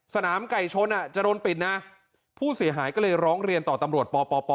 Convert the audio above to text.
สนามไก่ชนจะโดนปิดนะผู้เสียหายก็เลยร้องเรียนต่อตำรวจปป